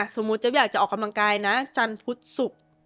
เจ๊อยากจะออกกำลังกายนะจันทร์พุธศุกร์